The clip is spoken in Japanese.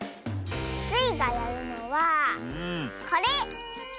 スイがやるのはこれ！